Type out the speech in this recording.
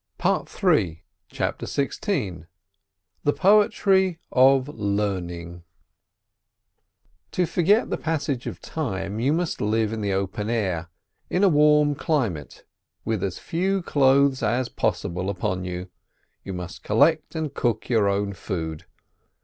PART III CHAPTER XVI THE POETRY OF LEARNING To forget the passage of time you must live in the open air, in a warm climate, with as few clothes as possible upon you. You must collect and cook your own food.